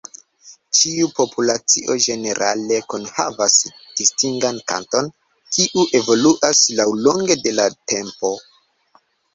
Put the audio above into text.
Ĉiu populacio ĝenerale kunhavas distingan kanton, kiu evoluas laŭlonge de la tempo.